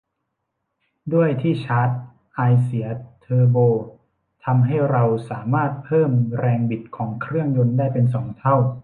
ด้วยที่ชาร์จไอเสียเทอร์โบทำให้เราสามารถเพิ่มแรงบิดของเครื่องยนต์ได้เป็นสองเท่า